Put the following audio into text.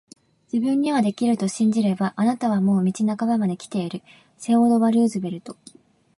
自分にはできると信じれば、あなたはもう道半ばまで来ている～セオドア・ルーズベルト～